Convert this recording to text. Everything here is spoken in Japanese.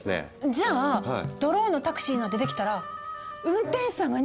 じゃあドローンのタクシーなんてできたら運転手さんがいなくなる？